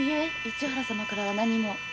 市原様からは何も。